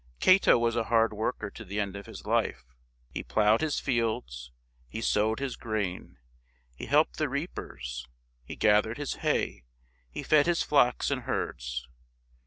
Cato was a hard worker to the end of his life. He plowed his fields, he sowed his grain, he helped the reapers, he gath ered his hay, he fed his flocks and herds.